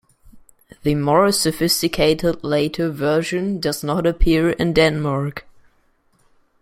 The more sophisticated later version does not appear in Denmark.